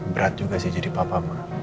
berat juga sih jadi papa